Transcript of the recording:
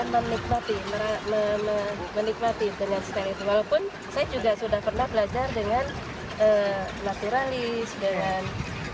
menikmati menikmati dengan span itu walaupun saya juga sudah pernah belajar dengan naturalis dengan